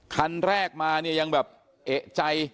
คันแรกมาเนี่ยยังแบบเอกใจ